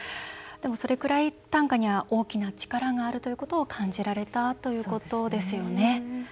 でも、それくらい短歌には大きな力があるということを感じられたということですよね。